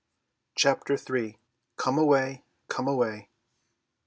Chapter III. COME AWAY, COME AWAY!